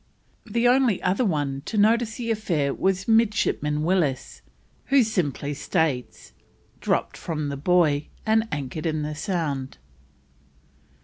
The only other one to notice the affair was Midshipman Willis, who simply states, "dropped from the Buoy and anchored in the Sound."